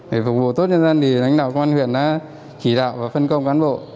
để phục vụ tốt nhân dân thì lãnh đạo công an huyện đã chỉ đạo và phân công cán bộ